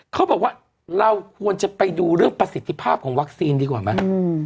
เขาบอกว่าเราควรจะไปดูเรื่องประสิทธิภาพของวัคซีนดีกว่าไหม